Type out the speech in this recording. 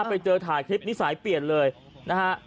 ไปเจอถ่ายคลิปนิสัยเปลี่ยนเลยนะฮะ